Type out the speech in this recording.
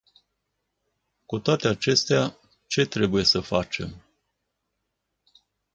Cu toate acestea, ce trebuie să facem?